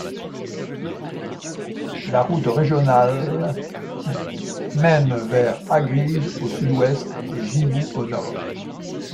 La route régionale mène vers Agrij au sud-ouest et Jibou au nord.